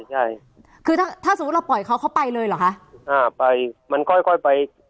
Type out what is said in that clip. ใช่คือถ้าถ้าสมมุติเราปล่อยเขาเขาไปเลยเหรอคะอ่าไปมันค่อยค่อยไป